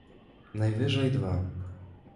Najwyżej dwa.